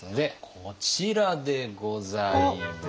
こちらでございます。